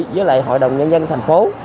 với lại hội đồng nhân dân tp hcm